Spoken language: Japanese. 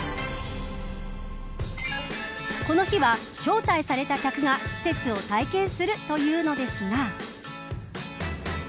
この日は、招待された客が施設を体験するというのですが。